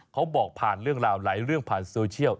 เขาบอกผ่านเรื่องราวหลายเรื่องผ่านโซเชียล